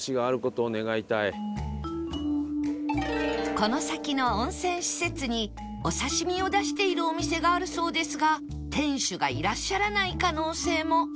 この先の温泉施設にお刺し身を出しているお店があるそうですが店主がいらっしゃらない可能性も